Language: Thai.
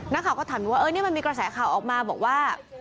นักข่าวก็ถามอยู่ว่านี่มันมีกระแสข่าวออกมาบอกว่า